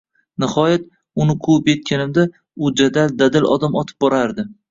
Nihoyat, uni quvib yetganimda, u jadal, dadil odim otib borardi.